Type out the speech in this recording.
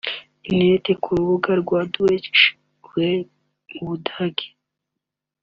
interineti ku rubuga rwa Deutsche Welle mu Budage